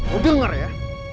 lo denger ya